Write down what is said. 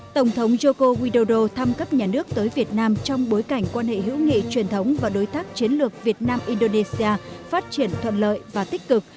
tổng thống joko widodo thăm cấp nhà nước tới việt nam trong bối cảnh quan hệ hữu nghị truyền thống và đối tác chiến lược việt nam indonesia phát triển thuận lợi và tích cực